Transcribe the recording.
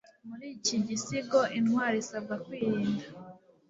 Muri iki gisigo, intwari isabwa kwirinda